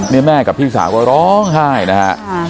นี่แม่กับพี่สาวก็ร้องไห้นะฮะ